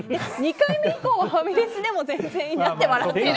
２回目以降はファミレスでも全然いいなって。